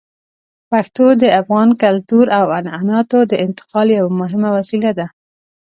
پښتو د افغان کلتور او عنعناتو د انتقال یوه مهمه وسیله ده.